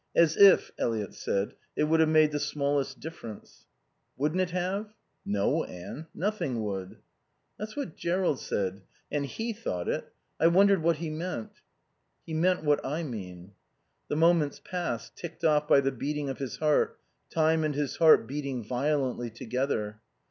"As if," Eliot said, "it would have made the smallest difference." "Wouldn't it have?" "No, Anne. Nothing would." "That's what Jerrold said. And he thought it. I wondered what he meant." "He meant what I mean." The moments passed, ticked off by the beating of his heart, time and his heart beating violently together.